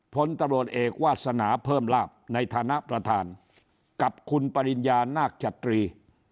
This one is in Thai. ผลตำรวจเอกวาสนาเพิ่มลาบในฐานะประธานกับคุณปริญญานาคจตรี